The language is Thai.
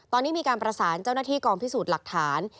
ตอนนี้มีการประสานเจ้าหน้าที่กองพิสูจน์หลักฐาน